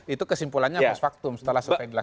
itu kesimpulannya must factum setelah survei dilaksanakan